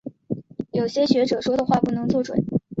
有些学者说的话不能做准。